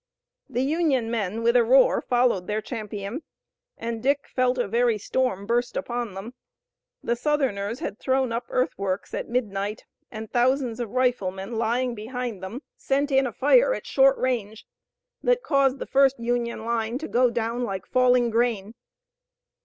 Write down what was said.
The Union men, with a roar, followed their champion, and Dick felt a very storm burst upon them. The Southerners had thrown up earthworks at midnight and thousands of riflemen lying behind them sent in a fire at short range that caused the first Union line to go down like falling grain.